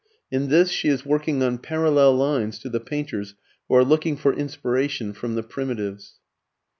In this she is working on parallel lines to the painters who are looking for inspiration from the primitives.